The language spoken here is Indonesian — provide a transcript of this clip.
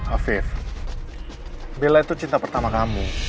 afif bela itu cinta pertama kamu